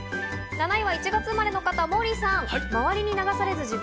７位は１月生まれの方、モーリーさん。